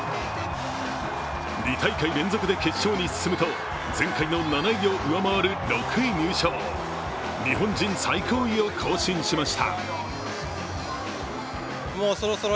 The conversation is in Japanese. ２大会連続で決勝に進むと、前回の７位を上回る６位入賞日本人最高位を更新しました。